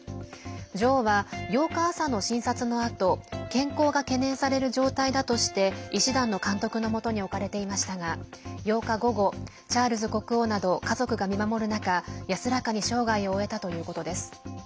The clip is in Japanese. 女王は８日朝の診察のあと健康が懸念される状態だとして医師団の監督の下に置かれていましたが８日午後、チャールズ国王など家族が見守る中安らかに生涯を終えたということです。